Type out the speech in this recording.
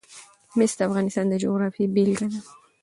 مس د افغانستان د جغرافیې بېلګه ده.